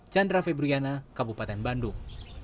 chandra febriyana kabupaten bandung